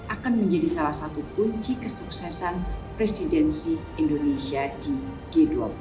akan menjadi salah satu kunci kesuksesan presidensi indonesia di g dua puluh